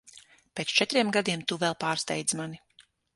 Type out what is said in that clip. Pēc četriem gadiem tu vēl pārsteidz mani.